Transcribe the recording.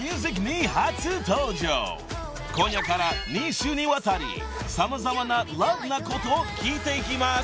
［今夜から２週にわたり様々なＬＯＶＥなことを聞いていきます］